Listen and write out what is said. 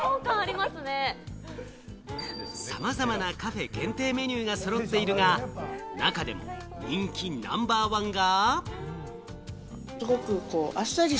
さまざまなカフェ限定のメニューが揃っているが、中でも人気ナンバーワンが。